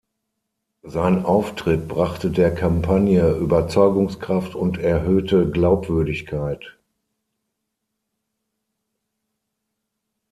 Sein Auftritt brachte der Kampagne „Überzeugungskraft und erhöhte Glaubwürdigkeit“.